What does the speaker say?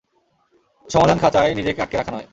সমাধান খাচায় নিজেকে আটকে রাখা নয়।